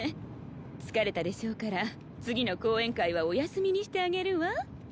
疲れたでしょうから次の講演会はお休みにしてあげるわ。